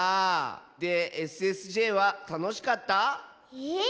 でＳＳＪはたのしかった？え？